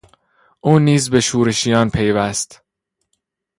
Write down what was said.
او نیز به شورشیان پیوست.